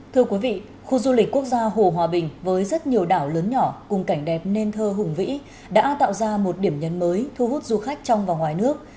thưa quý vị khu du lịch quốc gia hồ hòa bình với rất nhiều đảo lớn nhỏ cùng cảnh đẹp nên thơ hùng vĩ đã tạo ra một điểm nhấn mới thu hút du khách trong và ngoài nước